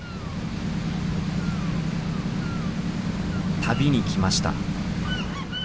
旅に来ました。